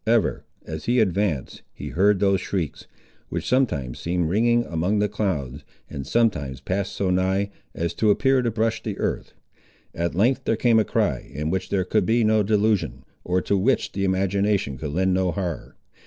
Ever as he advanced he heard those shrieks, which sometimes seemed ringing among the clouds, and sometimes passed so nigh, as to appear to brush the earth. At length there came a cry, in which there could be no delusion, or to which the imagination could lend no horror.